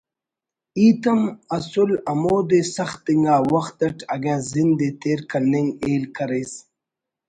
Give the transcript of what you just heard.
ہیت ہم اصل ہمودے سخت انگا وخت اٹ اگہ زند ءِ تیر کننگ ہیل کریس